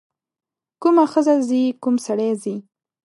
کومه ښځه ځي کوم سړی ځي.